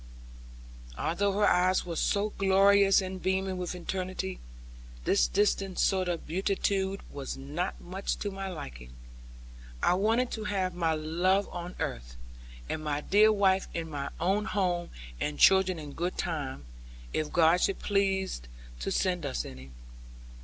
Although her eyes were so glorious, and beaming with eternity, this distant sort of beatitude was not much to my liking. I wanted to have my love on earth; and my dear wife in my own home; and children in good time, if God should please to send us any.